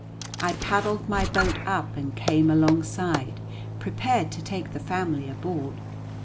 I paddled my boat up and came alongside prepared to take the family aboard.